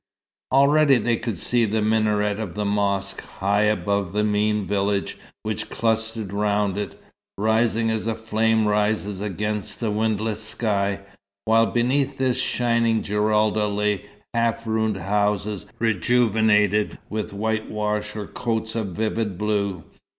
Already they could see the minaret of the mosque, high above the mean village which clustered round it, rising as a flame rises against a windless sky, while beneath this shining Giralda lay half ruined houses rejuvenated with whitewash or coats of vivid blue.